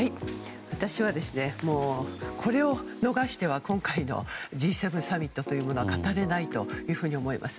私はこれを逃しては今回のＧ７サミットは語れないと思います。